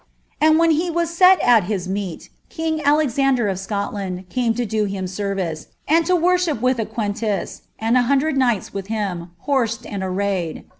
And when he was set it Iiis meal king Alexander of Scollnnd came to do htm serrire, and l» Worship with a ^enlysr,' and n hundred knights with him, horiied and tmyed.